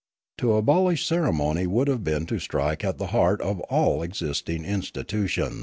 To abolish ceremony would have been to strike at the heart of all existing institution?.